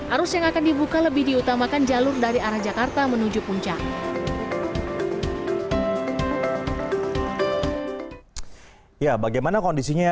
arus yang akan dibuka lebih diutamakan jalur dari arah jakarta menuju puncak